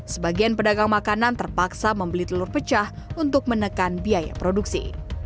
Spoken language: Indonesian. sebagian pedagang makanan terpaksa membeli telur pecah untuk menekan biaya produksi